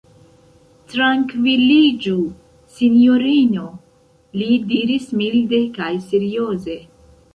Trankviliĝu, sinjorino, li diris milde kaj serioze.